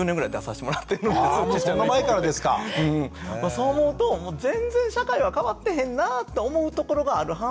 そう思うと全然社会は変わってへんなって思うところがある反面